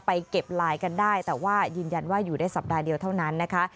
เก็บไลน์กันได้แต่ว่ายืนยันว่าอยู่ได้สัปดาห์เดียวเท่านั้นนะคะ